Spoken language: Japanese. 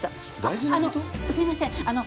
あのすいません。